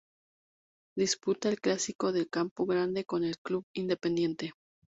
Disputa el clásico de Campo Grande con el Club Independiente.